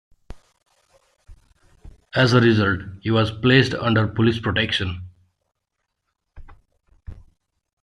As a result, he was placed under police protection.